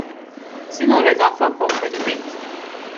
Sinon les enfants comprennent vite.